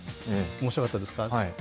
面白かったですか？